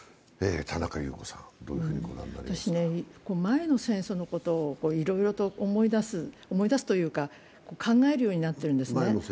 私ね、前の戦争のことをいろいろ思い出すというか、考えるようになっているんですね。